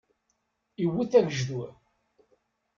Iwwet agejdur.